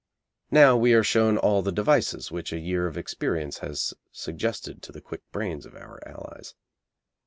Now we are shown all the devices which a year of experience has suggested to the quick brains of our Allies.